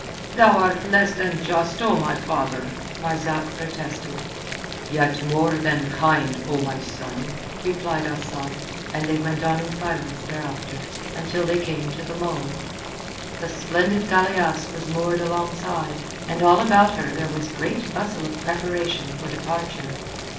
"Thou art less than just, O my father," Marzak protested. "Yet more than kind, O my son," replied Asad, and they went on in silence thereafter, until they came to the mole. The splendid galeasse was moored alongside, and all about her there was great bustle of preparation for departure.